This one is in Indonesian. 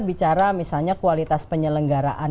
bicara misalnya kualitas penyelenggaraan